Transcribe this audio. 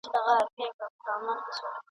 چي په سره غره کي د کنډوله لاندي ..